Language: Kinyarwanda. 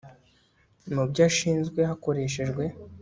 mu byo ashinzwe hakoreshejwe